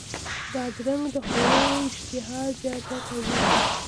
بادرنګ د خوړو اشتها زیاته کوي.